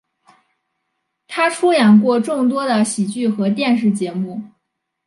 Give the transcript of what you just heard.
他出演过众多的喜剧和电视节目。